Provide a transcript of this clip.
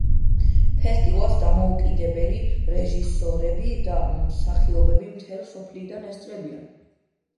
ფესტივალს დამოუკიდებელი რეჟისორები და მსახიობები მთელი მსოფლიოდან ესწრებიან.